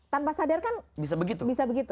tanpa sadar kan bisa begitu